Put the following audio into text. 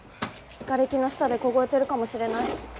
がれきの下で凍えてるかもしれない。